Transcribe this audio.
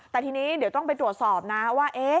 แต่ทีนี้เดี๋ยวต้องไปตรวจสอบนะว่า